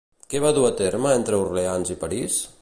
Què va dur a terme entre Orleans i París?